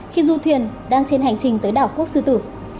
khi du thuyền đang trên hành trình tới đảo quốc sư tử